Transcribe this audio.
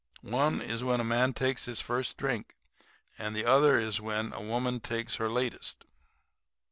One is when a man takes his first drink; and the other is when a woman takes her latest.